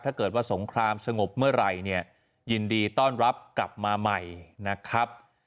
ถ้าเกิดว่าสงครามสงบเมื่อไหร่เนี่ยยินดีต้อนรับกลับมาใหม่นะครับ